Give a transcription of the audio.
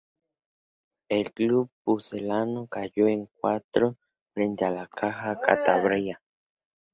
El club pucelano cayó en cuartos frente al Caja Cantabria.